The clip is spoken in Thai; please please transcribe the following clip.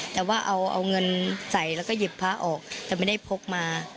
แต่ว่าเอาเงินใส่แล้วก็หยิบพระออกแต่ไม่ได้พกมา